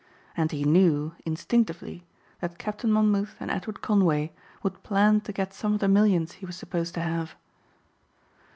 And he knew, instinctively, that Captain Monmouth and Edward Conway would plan to get some of the millions he was supposed to have.